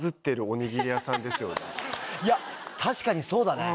確かにそうだね。